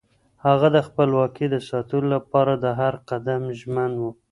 هغه د خپلواکۍ د ساتلو لپاره د هر قدم ژمن و.